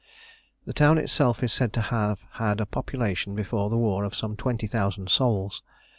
The town itself is said to have had a population before the war of some 20,000 souls.